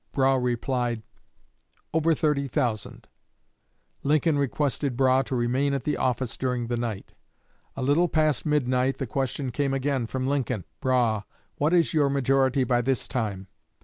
Brough replied, "Over 30,000." Lincoln requested Brough to remain at the office during the night. A little past midnight the question came again from Lincoln, "Brough, what is your majority by this time?"